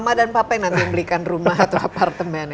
mama dan papa yang nanti belikan rumah atau apartemen